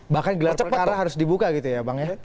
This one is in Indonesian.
bahkan gelar perkara harus dibuka gitu ya bang ya